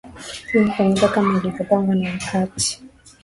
inafanyika kama ilivyopangwa na kwa wakati